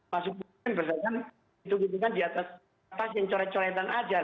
masukkan di atas yang corek corekan aja